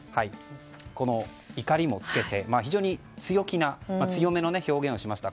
この怒りもつけて非常に強気な強めの表現をしました。